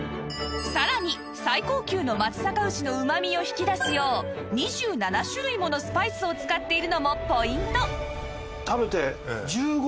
さらに最高級の松阪牛のうまみを引き出すよう２７種類ものスパイスを使っているのもポイント！